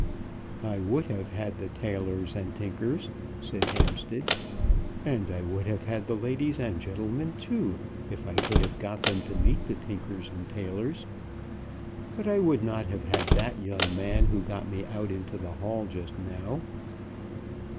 "I would have had the tailors and tinkers," said Hampstead, "and I would have had the ladies and gentlemen, too, if I could have got them to meet the tailors and tinkers; but I would not have had that young man who got me out into the hall just now."